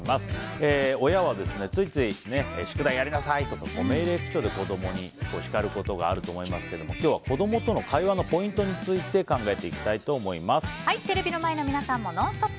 親はついつい宿題やりなさいとか命令口調で子供に叱ることがあると思いますが子供を叱ってしまうことがあると思いますが今日は子供との会話のポイントについてテレビの前の皆さんもＮＯＮＳＴＯＰ！